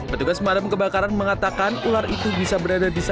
petugas malam kebakaran mengatakan ular itu bisa berada di saluran air kos masiswa